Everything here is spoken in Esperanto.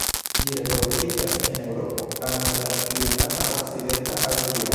Ĝi reproduktiĝas en Eŭropo al moderklimata okcidenta Azio.